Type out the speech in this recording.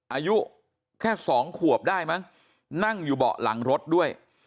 อายุแค่สองขวบได้มั้งนั่งอยู่เบาะหลังรถด้วย